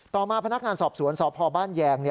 ต่อมาพนักงานสอบสวนสพบ้านแยง